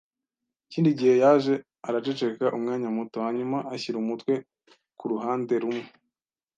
Ikindi gihe yaje araceceka umwanya muto. Hanyuma ashyira umutwe ku ruhande rumwe,